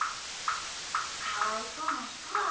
かわいそうなひとだ。